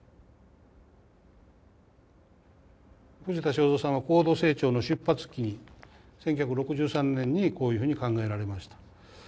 藤田省三さんは高度成長の出発期に１９６３年にこういうふうに考えられました。